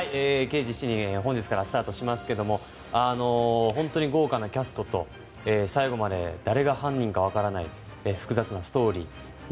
「刑事７人」本日からスタートしますけれども本当に豪華なキャストと最後まで誰が犯人かわからない複雑なストーリー。